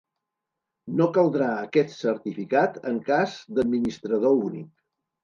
No caldrà aquest certificat en cas d'administrador únic.